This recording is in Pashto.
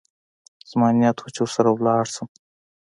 زما نيت و چې ورسره ولاړ سم.